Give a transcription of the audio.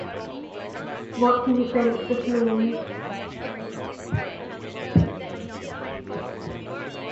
What do you think this means?